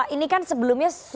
ini kan sebelumnya